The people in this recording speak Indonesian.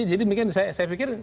jadi saya pikir